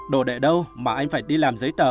đồ đệ đâu mà anh phải đi làm giấy tờ